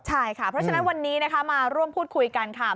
ใช่ค่ะเพราะฉะนั้นวันนี้นะคะมาร่วมพูดคุยกันค่ะ